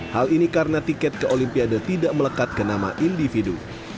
hal ini karena tiket ke olimpiade tidak melekat ke nama induk organisasi panahan indonesia